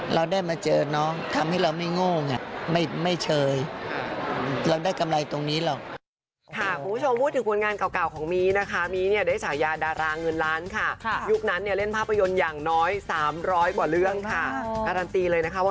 เราได้มาเจอน้องทำให้เราไม่โง่ไงไม่เชยเราได้กำไรตรงนี้หรอก